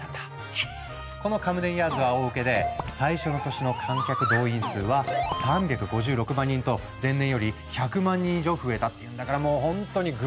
このカムデンヤーズは大ウケで最初の年の観客動員数は３５６万人と前年より１００万人以上増えたっていうんだからもうほんとにグレート！